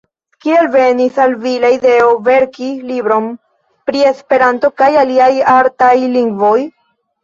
Kiel venis al vi la ideo verki libron pri Esperanto kaj aliaj artaj lingvoj?